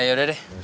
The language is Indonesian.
ya yaudah deh